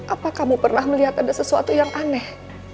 apa kamu pernah melihat ada sesuatu yang aneh